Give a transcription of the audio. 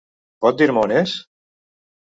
Pot dir-me on és?